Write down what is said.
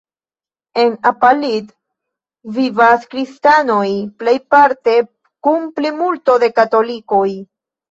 En Apalit vivas kristanoj plejparte kun plimulto de katolikoj.